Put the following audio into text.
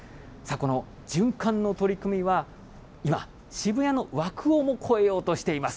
この循環の取り組みは今、渋谷の枠をも超えようとしています。